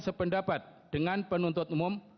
sependapat dengan penuntut umum